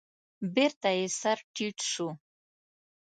بېرته يې سر تيټ شو.